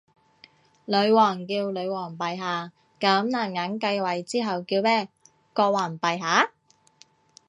女王叫女皇陛下，噉男人繼位之後叫咩？國王陛下？